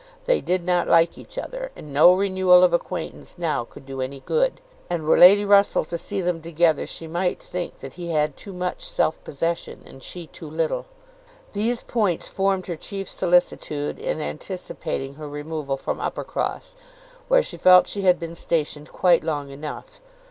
They did not like each other, and no renewal of acquaintance now could do any good; and were Lady Russell to see them together, she might think that he had too much self possession, and she too little. These points formed her chief solicitude in anticipating her removal from Uppercross, where she felt she had been stationed quite long enough.